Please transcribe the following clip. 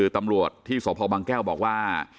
ตำรวจที่สพบางแก้วบอกว่า